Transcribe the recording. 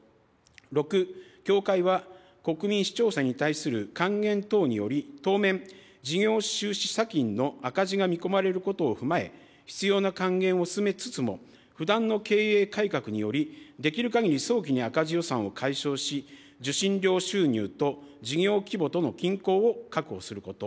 ６、協会は国民・視聴者に対する還元等により、当面、事業収支差金の赤字が見込まれることを踏まえ、必要な還元を進めつつも、不断の経営改革により、できるかぎり早期に赤字予算を解消し、受信料収入と事業規模との均衡を確保すること。